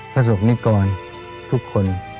ประสบนิกรทุกคน